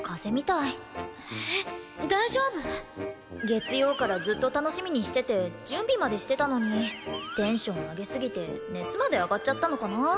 月曜からずっと楽しみにしてて準備までしてたのにテンション上げすぎて熱まで上がっちゃったのかな？